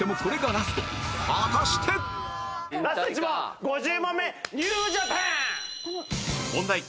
ラスト１問５０問目。